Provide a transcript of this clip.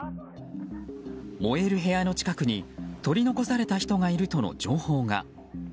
燃える部屋の近くに取り残された人がいるとの情報が。